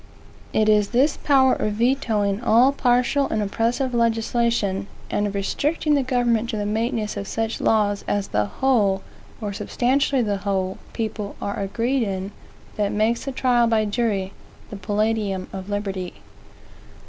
It is this power of vetoing all partial and oppressive legislation, and of restricting the government to the maintenance of such laws as the whole, or substantially the whole, people are agreed in, that makes the trial by jury "the palladium of liberty."